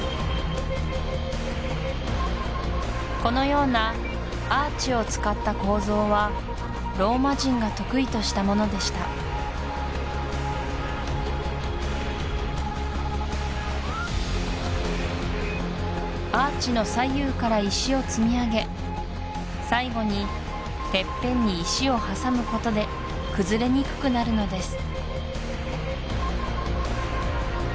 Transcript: このようなアーチを使った構造はローマ人が得意としたものでしたアーチの左右から石を積み上げ最後にてっぺんに石を挟むことで崩れにくくなるのです